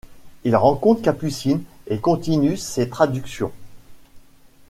Il rencontre Capucine et continue ses traductions.